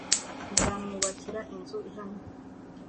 nzamwubakira inzu ihamye